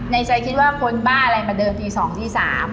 ในใจคิดว่าคนบ้าอะไรมาเดินตี๒ตี๓